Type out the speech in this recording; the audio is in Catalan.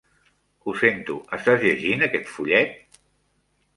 Ho sento, estàs llegint aquest fullet?